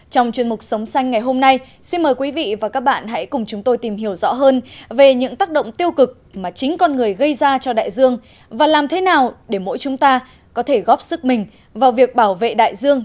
trong chuyên mục sống xanh ngày hôm nay xin mời quý vị và các bạn hãy cùng chúng tôi tìm hiểu rõ hơn về những tác động tiêu cực mà chính con người gây ra cho đại dương và làm thế nào để mỗi chúng ta có thể góp sức mình vào việc bảo vệ đại dương